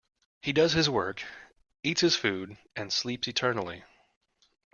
He does his work, eats his food, and sleeps eternally!